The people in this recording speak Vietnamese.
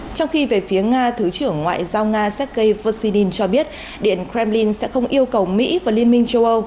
trong khi về phía nga thứ trưởng ngoại giao nga sergei voshidin cho biết điện kremlin sẽ không yêu cầu mỹ và liên minh châu âu